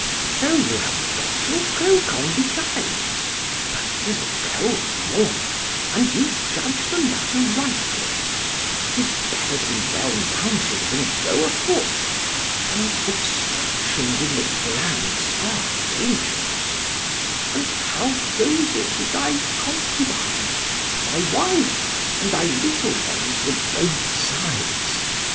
——so you have got your cloak on betimes!——but 'tis a cold morning, and you judge the matter rightly——'tis better to be well mounted, than go o' foot——and obstructions in the glands are dangerous——And how goes it with thy concubine—thy wife,—and thy little ones o' both sides?